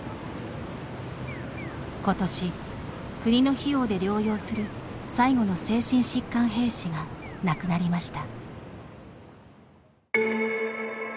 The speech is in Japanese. ことし、国の費用で療養する最後の精神疾患兵士が亡くなりました。